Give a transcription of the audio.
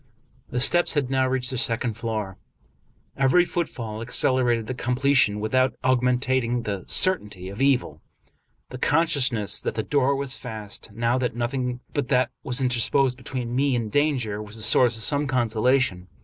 The steps had now reached the second floor. Every foot fall accelerated the completion without augmenting the cer tainty of evil. The consciousness that the door was fast, now that nothing but that was interposed between me and danger, was a source of some consolation.